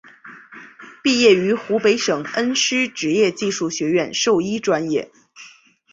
毕业于湖北省恩施职业技术学院兽医专业。